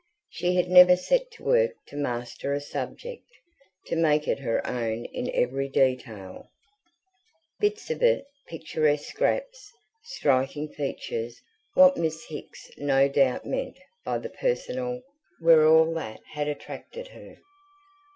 She had never set to work to master a subject, to make it her own in every detail. Bits of it, picturesque scraps, striking features what Miss Hicks no doubt meant by the personal were all that had attracted her.